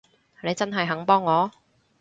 你真係肯幫我？